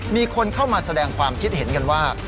มีคนเข้ามาแสดงความคิดเห็นกันว่า